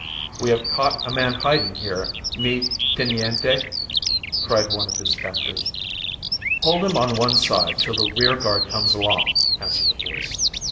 "We have caught a man hiding here, mi teniente!" cried one of his captors. "Hold him on one side till the rearguard comes along," answered the voice.